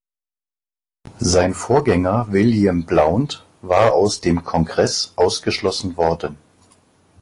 Sein Vorgänger William Blount war aus dem Kongress ausgeschlossen worden.